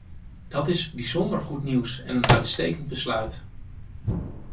Dat is bijzonder goed nieuws en een uitstekend besluit.